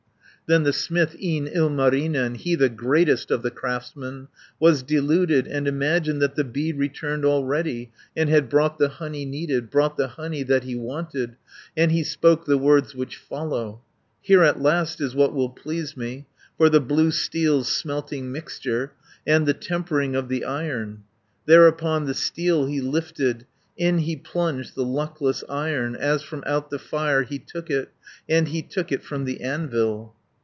"Then the smith, e'en Ilmarinen, He, the greatest of the craftsmen, Was deluded, and imagined That the bee returned already, And had brought the honey needed, Brought the honey that he wanted, 250 And he spoke the words which follow: 'Here at last is what will please me, For the blue steel's smelting mixture, And the tempering of the Iron,' "Thereupon the steel he lifted, In he plunged the luckless Iron, As from out the fire he took it, And he took it from the anvil.